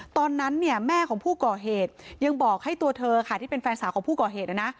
ตอนนั้นเนี่ยแม่ของผู้ก่อเหตุยังบอกให้ตัวเธอค่ะที่เป็นแฟนสาวของผู้ก่อเหตุนะนะ